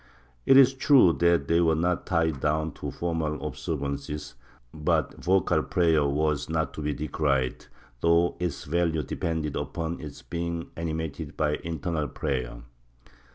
It is true that they were not tied down to formal observances, but vocal prayer was not to be decried, — though its value depended upon its being animated by internal prayer.